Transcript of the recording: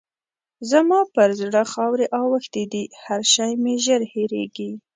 زما پر زړه خاورې اوښتې دي؛ هر شی مې ژر هېرېږي.